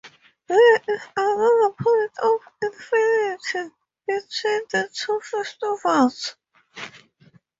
There is another point of affinity between the two festivals.